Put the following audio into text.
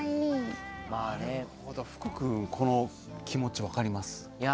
福君、この気持ち分かります？